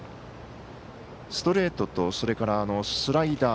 ストレートとそれからスライダー